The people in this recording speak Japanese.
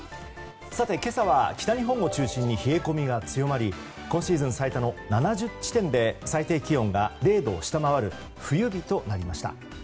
さて、今朝は北日本を中心に冷え込みが強まり今シーズン最多の７０地点で最低気温が０度を下回る冬日となりました。